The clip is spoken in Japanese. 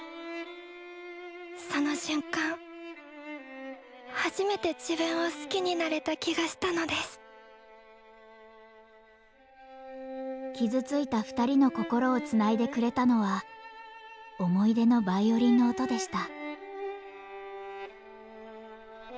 その瞬間初めて自分を好きになれた気がしたのです傷ついた２人の心をつないでくれたのは思い出のヴァイオリンの音でした。